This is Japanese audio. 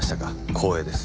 光栄です。